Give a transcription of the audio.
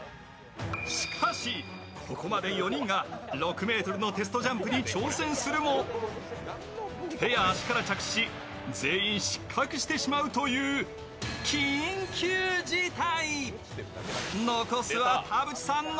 しかし、ここまで４人が６ｍのテストジャンプに挑戦するも、手や足から着地し、全員失格してしまうという緊急事態。